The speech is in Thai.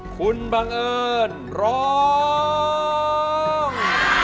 คุณบังเอิญร้อง